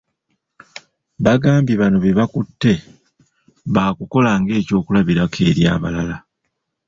Bagambye bano be bakutte baakukola ng'ekyokulabirako eri abalala.